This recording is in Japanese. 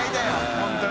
本当に。